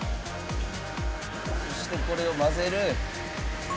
そしてこれを混ぜる。